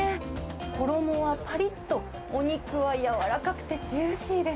衣はかりっと、お肉は柔らかくてジューシーです。